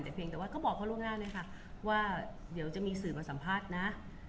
แต่เพียงแต่ว่าก็บอกเขาล่วงหน้าเลยค่ะว่าเดี๋ยวจะมีสื่อมาสัมภาษณ์นะ